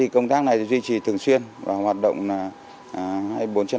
công tác này duy trì thường xuyên và hoạt động hai mươi bốn trên hai mươi bốn